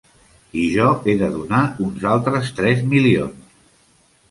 I jo he de donar uns altres tres milions.